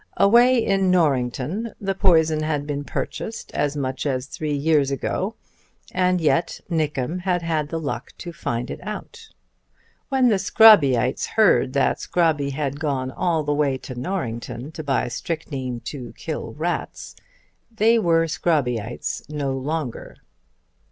Away in Norrington the poison had been purchased as much as three years ago, and yet Nickem had had the luck to find it out. When the Scrobbyites heard that Scrobby had gone all the way to Norrington to buy strychnine to kill rats they were Scrobbyites no longer.